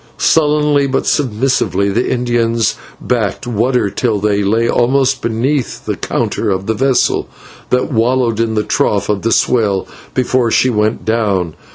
Sullenly, but submissively, the Indians backed water till we lay almost beneath the counter of the vessel, that wallowed in the trough of the swell before she went down.